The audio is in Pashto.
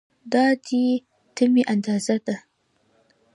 دا د دې تمې اندازه ده.